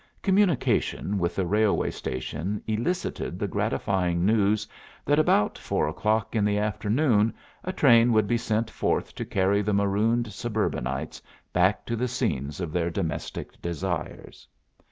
Communication with the railway station elicited the gratifying news that about four o'clock in the afternoon a train would be sent forth to carry the marooned suburbanites back to the scenes of their domestic desires.